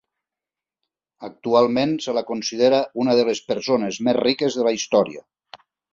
Actualment se la considera una de les persones més riques de la història.